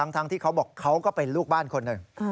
ทั้งที่เขาบอกเขาก็เป็นลูกบ้านคนหนึ่ง